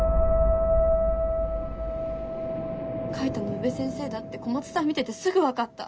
書いたのは宇部先生だって小松さん見ててすぐ分かった。